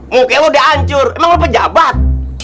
muka lo udah ancur emang lo pejabat